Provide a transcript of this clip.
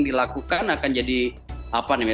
dilakukan akan jadi apa nih ya